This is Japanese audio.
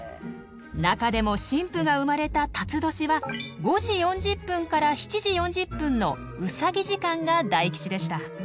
中でも新婦が生まれた辰年は５時４０分から７時４０分の卯時間が大吉でした。